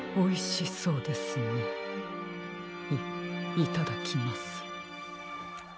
いいただきます。